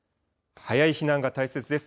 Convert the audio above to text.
早い避難が大切です。